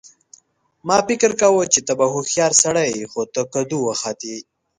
ما فکر کاوه چې ته به هوښیار سړی یې خو ته کدو وختې